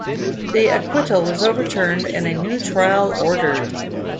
The acquittal was overturned and a new trial ordered.